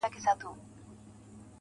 ما ويل څه به مي احوال واخلي,